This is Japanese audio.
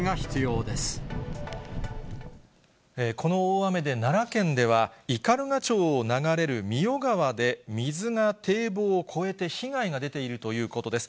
この大雨で奈良県では、斑鳩町を流れる三代川で水が堤防を越えて被害が出ているということです。